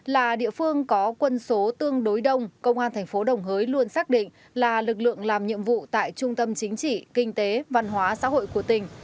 là địa phương có quân số tương đối đông công an thành phố đồng hới luôn xác định là lực lượng làm nhiệm vụ tại trung tâm chính trị kinh tế văn hóa xã hội của tỉnh